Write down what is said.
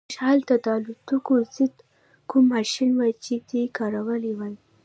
کاش هلته د الوتکو ضد کوم ماشین وای چې دی کارولی وای